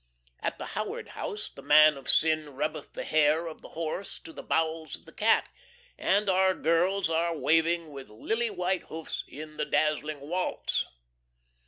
At the Howard House the man of sin rubbeth the hair of the horse to the bowels of the cat, and our girls are waving their lily white hoofs in the dazzling waltz.